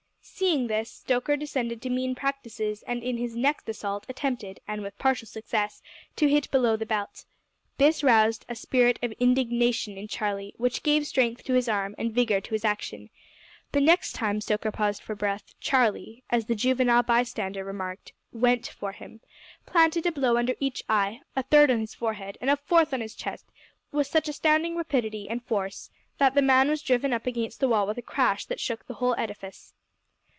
Seeing this, Stoker descended to mean practices, and in his next assault attempted, and with partial success, to hit below the belt. This roused a spirit of indignation in Charlie, which gave strength to his arm and vigour to his action. The next time Stoker paused for breath, Charlie as the juvenile bystander remarked "went for him," planted a blow under each eye, a third on his forehead, and a fourth on his chest with such astounding rapidity and force that the man was driven up against the wall with a crash that shook the whole edifice.